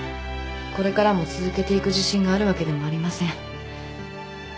これからも続けていく自信があるわけでもありません。